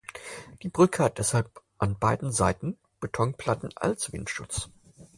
Die Brücke hat deshalb an beiden Seiten Betonplatten als Windschutz.